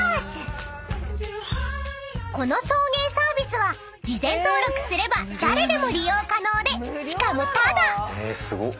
［この送迎サービスは事前登録すれば誰でも利用可能でしかもタダ！］